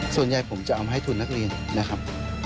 ส่วนใหญ่ผมจะเอามาให้ทุนนักเรียนนะครับ